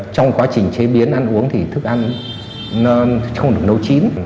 trong quá trình chế biến ăn uống thì thức ăn không được nấu chín